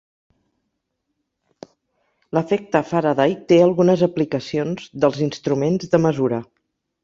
L'efecte Faraday té algunes aplicacions dels instruments de mesura.